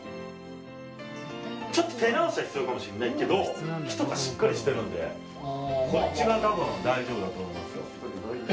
手直しは必要かもしれないけど木とかしっかりしてるのでこっち側は多分大丈夫だと思いますよ。